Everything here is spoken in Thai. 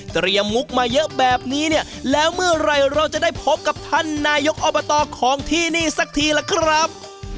มุกมาเยอะแบบนี้เนี่ยแล้วเมื่อไหร่เราจะได้พบกับท่านนายกอบตของที่นี่สักทีล่ะครับ